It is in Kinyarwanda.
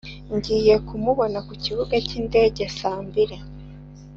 ngiye kumubona ku kibuga cyindege saa mbiri.